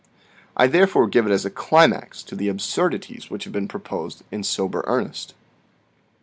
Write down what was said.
I therefore give it as a climax to the absurdities which have been proposed in sober earnest.